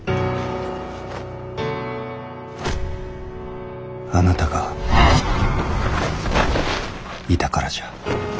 心の声あなたがいたからじゃ。